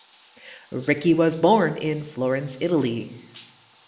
Ricci was born in Florence, Italy.